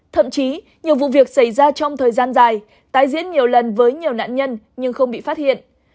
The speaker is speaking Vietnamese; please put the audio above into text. thậm chí nhiều vụ việc xảy ra trong thời gian dài tái diễn nhiều lần với nhiều nạn nhân nhưng không bị phát hiện